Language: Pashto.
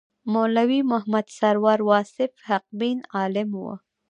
مولوي محمد سرور واصف حقبین عالم و.